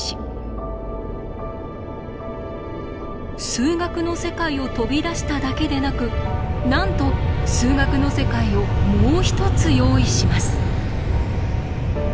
数学の世界を飛び出しただけでなくなんと数学の世界をもう一つ用意します。